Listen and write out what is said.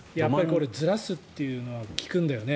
ずらすっていうのは利くんだよね。